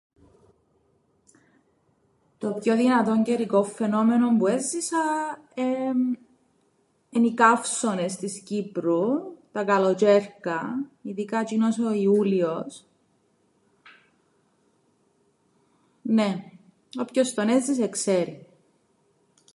Το πιο δυνατόν καιρικόν φαινόμενον που έζησα εν- εν' οι καύσωνες της Κύπρου, τα καλοτζ̆αίρκα, ειδικά τζ̆είνος ο Ιούλιος. Νναι, όποιος τον έζησεν ξέρει.